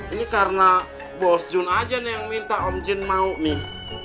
ini karena bos jun aja nih yang minta om jin mau nih